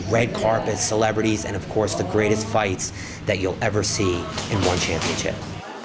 red carpet selebriti dan tentu saja pertempuran terbaik yang akan kalian lihat di one championship